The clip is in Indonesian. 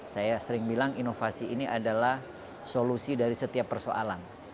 saya sering bilang inovasi ini adalah solusi dari setiap persoalan